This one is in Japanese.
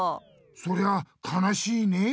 そりゃかなしいねえ。